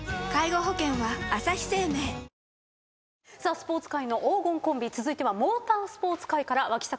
スポーツ界の黄金コンビ続いてはモータースポーツ界から脇阪